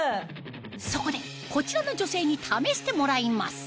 そこでこちらの女性に試してもらいます